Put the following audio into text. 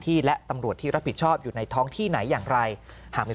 ที่และตำรวจที่รับผิดชอบอยู่ในท้องที่ไหนอย่างไรหากมี